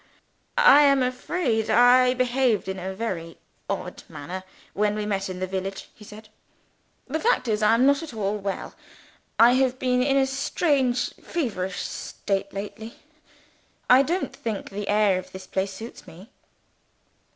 "I am afraid I behaved in a very odd manner, when we met in the village?" he said. "The fact is, I am not at all well. I have been in a strange feverish state lately. I don't think the air of this place suits me."